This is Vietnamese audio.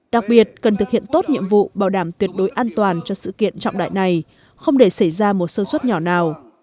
đặc biệt cần thực hiện tốt nhiệm vụ bảo đảm tuyệt đối an toàn cho sự kiện trọng đại này không để xảy ra một sơ suất nhỏ nào